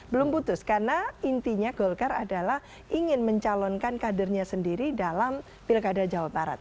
belum putus karena intinya golkar adalah ingin mencalonkan kadernya sendiri dalam pilkada jawa barat